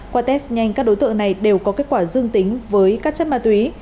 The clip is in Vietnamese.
qua test nhanh các đối tượng này đều có kết quả dương tính với các chất ma túy